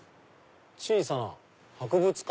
「小さな博物館」。